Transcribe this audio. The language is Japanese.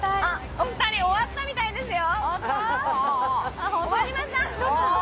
お二人終わったみたいですよ。